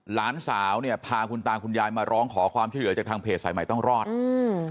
หลานสาวเนี่ยพาคุณตาคุณยายมาร้องขอความช่วยเหลือจากทางเพจสายใหม่ต้องรอดอืม